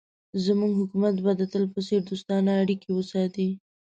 زموږ حکومت به د تل په څېر دوستانه اړیکې وساتي.